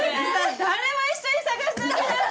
誰も一緒に捜してあげない！